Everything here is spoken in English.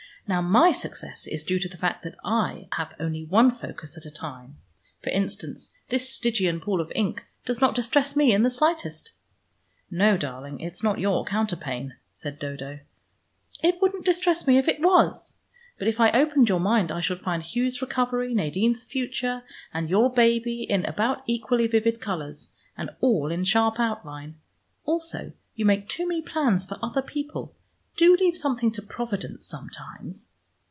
Now my success is due to the fact that I have only one in focus at a time. For instance this Stygian pool of ink does not distress me in the slightest " "No, darling, it's not your counterpane," said Dodo. "It wouldn't distress me if it was. But if I opened your mind I should find Hugh's recovery, Nadine's future, and your baby in about equally vivid colors, and all in sharp outline. Also you make too many plans for other people. Do leave something to Providence sometimes."